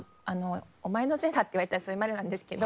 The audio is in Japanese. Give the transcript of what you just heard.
「お前のせいだ」って言われたらそれまでなんですけど。